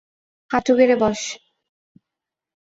হাঁটু গেড়ে বস।